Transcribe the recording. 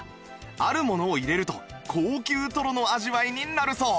あるものを入れると高級トロの味わいになるそう